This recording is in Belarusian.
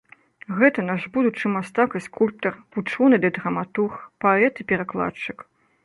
Гэта наш будучы мастак і скульптар, вучоны ды драматург, паэт і перакладчык.